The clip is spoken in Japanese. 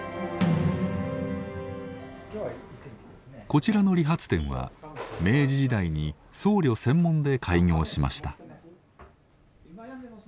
こちらの理髪店は明治時代に僧侶専門で開業しました。